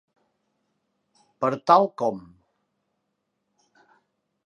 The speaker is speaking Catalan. Per tal com.